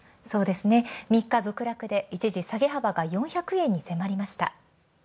そうですね、３日続落で一時下げ幅が４００円に。